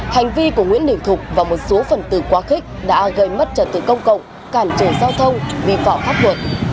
hành vi của nguyễn đình thục và một số phần từ quá khích đã gây mất trật tự công cộng cản trừ giao thông vi phỏ khắc buộc